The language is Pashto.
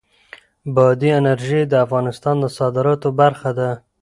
بادي انرژي د افغانستان د صادراتو برخه ده.